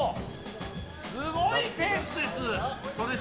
すごいペースです。